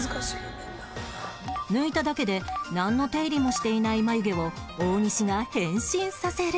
抜いただけでなんの手入れもしていない眉毛を大西が変身させる